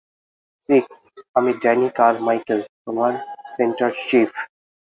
Six, আমি Danny Carmichael, তোমার centre chief.